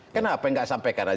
kenapa tidak sampaikan saja